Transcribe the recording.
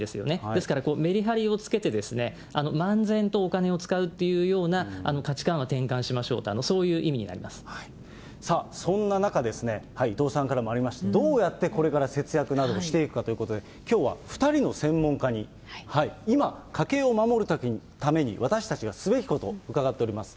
ですからメリハリをつけて、漫然とお金を使うというような価値観は転換しましょうっていう、そんな中、伊藤さんからもありました、どうやってこれから節約などをしていくかということで、きょうは２人の専門家に、今、家計を守るために私たちがすべきこと、伺っております。